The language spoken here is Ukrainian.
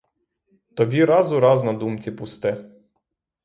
Тобі раз у раз на думці пусте!